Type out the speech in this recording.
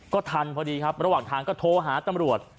ก็ทันพอดีครับระหว่างทางก็โทรหาตำรวจ